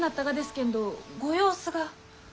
けんどご様子が。